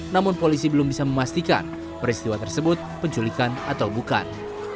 namun polisi belum bisa memastikan peristiwa tersebut penculikan atau bukan